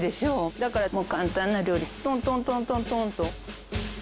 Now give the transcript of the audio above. だからもう簡単な料理トントントントントンと。